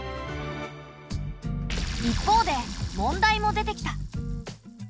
一方で問題も出てきた。